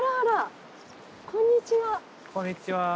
こんにちは。